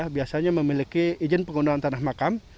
biasanya memiliki izin penggunaan tanah makam